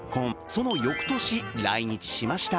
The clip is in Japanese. その翌年、来日しました。